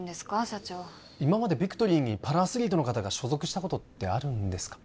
社長今までビクトリーにパラアスリートの方が所属したことってあるんですか？